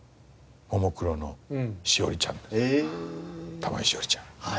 玉井詩織ちゃん。